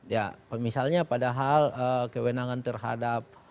ya misalnya pada hal kewenangan terhadap